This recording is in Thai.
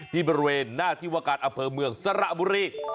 ที่บริเวณหน้าที่วาการอำเภอเมืองสระบุรี